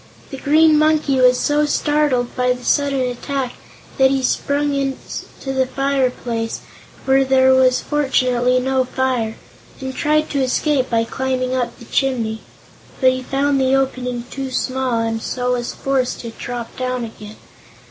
The Green Monkey was so startled by the sudden attack that he sprang into the fireplace where there was fortunately no fire and tried to escape by climbing up the chimney. But he found the opening too small, and so was forced to drop down again.